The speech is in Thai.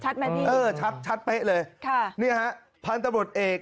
ชัดมั้ยพี่ชัดเป๊ะเลยนี่ฮะพันธุ์ตำรวจเอก